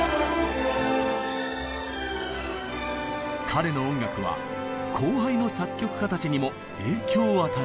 彼の音楽は後輩の作曲家たちにも影響を与えています。